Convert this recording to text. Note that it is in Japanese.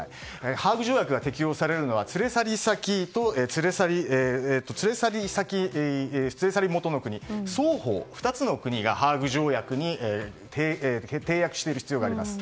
ハーグ条約が適用されるのは連れ去り先、連れ去り元の国双方、２つの国がハーグ条約に締約している必要があります。